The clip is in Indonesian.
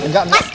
enggak gak usah